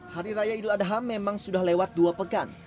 hari raya idul adham memang sudah lewat dua pekan